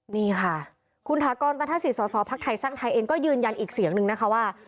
นี่ค่ะคุณถากรตันทศิษย์สอสอภักดิ์ไทยสร้างไทยเองก็ยืนยันอีกเสียงนึงนะคะว่า